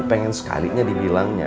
pengen sekalinya dibilangnya